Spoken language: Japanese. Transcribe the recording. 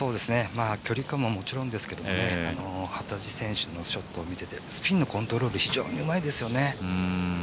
距離感ももちろんですけど幡地選手のショットを見ていてスピンのコントロール、非常にうまいですよね。